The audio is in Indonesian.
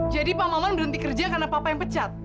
jadi pak maman berhenti kerja karena papa yang pecat